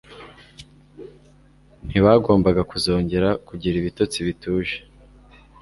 Ntibagombaga kuzongera kugira ibitotsi bituje.